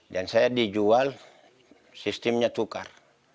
dan saya dijual sistemnya tukar